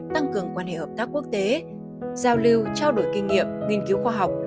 tăng cường quan hệ hợp tác quốc tế giao lưu trao đổi kinh nghiệm nghiên cứu khoa học